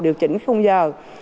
điều chỉnh không giờ